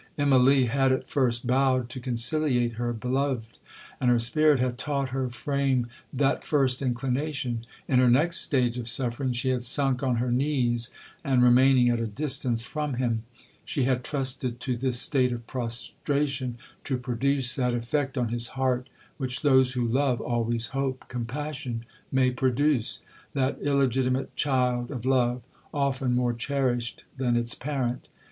Immalee had at first bowed to conciliate her beloved, and her spirit had taught her frame that first inclination. In her next stage of suffering, she had sunk on her knees, and, remaining at a distance from him, she had trusted to this state of prostration to produce that effect on his heart which those who love always hope compassion may produce,—that illegitimate child of love, often more cherished than its parent.